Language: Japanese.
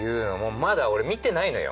まだ俺見てないのよ。